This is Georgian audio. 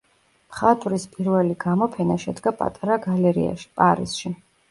მხატვრის პირველი გამოფენა შედგა პატარა გალერეაში, პარიზში.